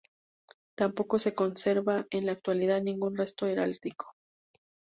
Tampoco se conserva en la actualidad ningún resto heráldico.